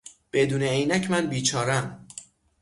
بدون عینک من بیچارهام.